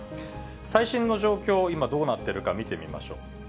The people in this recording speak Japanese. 最新の状況、今、どうなっているか見てみましょう。